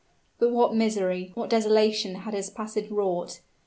But what misery, what desolation had his passage wrought!